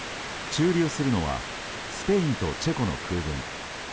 駐留するのはスペインとチェコの空軍。